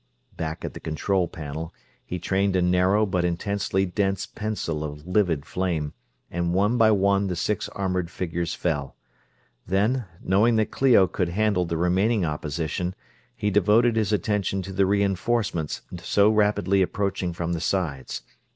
Back at the control panel, he trained a narrow, but intensely dense pencil of livid flame, and one by one the six armored figures fell. Then, knowing that Clio could handle the remaining opposition, he devoted his attention to the reenforcements so rapidly approaching from the sides.